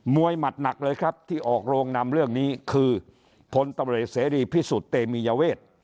หมัดหนักเลยครับที่ออกโรงนำเรื่องนี้คือพลตำรวจเสรีพิสุทธิ์เตมียเวท